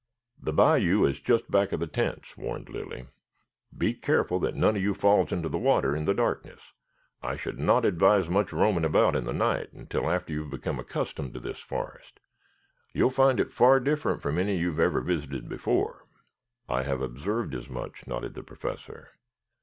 "The bayou is just back of the tents," warned Lilly. "Be careful that none of you falls into the water in the darkness. I should not advise much roaming about in the night until after you have become accustomed to this forest. You will find it far different from any you have ever visited before." "I have observed as much," nodded the Professor.